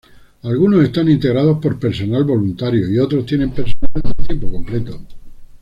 Algunos están integrados por personal voluntarios y otros tienen personal de tiempo completo.